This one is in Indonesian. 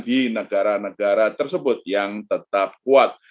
di negara negara tersebut yang tetap kuat